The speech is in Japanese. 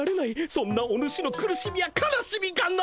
そんなお主の苦しみや悲しみがな！